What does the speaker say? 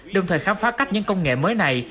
đồng thời khám phá cách những công nghệ mới này